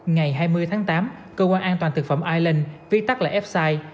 ngày hai mươi tháng tám cơ quan an toàn thực phẩm island viết tắt lại f side